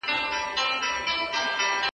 ولي سیاحت د هېواد د عوایدو ښه سرچینه کیدای سي؟